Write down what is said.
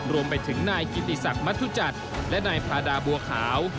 รวมไปถึงนายกิติศักดิ์มัธุจักรและนายพาดาบัวขาว